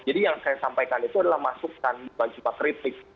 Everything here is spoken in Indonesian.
jadi yang saya sampaikan itu adalah masukkan bukan cuma kritik